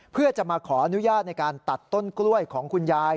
เพื่อจะมาขออนุญาตในการตัดต้นกล้วยของคุณยาย